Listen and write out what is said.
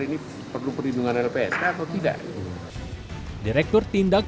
ini perlu perlindungan lpsk atau tidak